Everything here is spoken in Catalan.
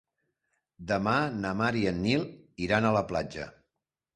Demà na Mar i en Nil iran a la platja.